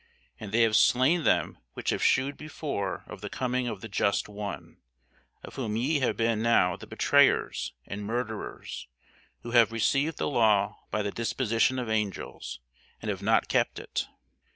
and they have slain them which shewed before of the coming of the Just One; of whom ye have been now the betrayers and murderers: who have received the law by the disposition of angels, and have not kept it.